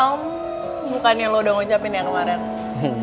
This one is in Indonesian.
um mukanya lo udah ngucapin ya kemarin